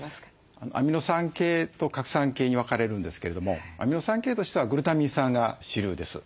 アミノ酸系と核酸系に分かれるんですけれどもアミノ酸系としてはグルタミン酸が主流です。